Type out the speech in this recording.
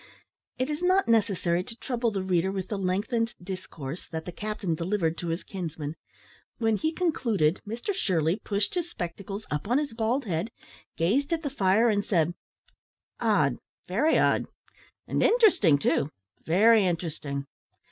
It is not necessary to trouble the reader with the lengthened discourse that the captain delivered to his kinsman. When he concluded, Mr Shirley pushed his spectacles up on his bald head, gazed at the fire, and said, "Odd, very odd; and interesting too very interesting."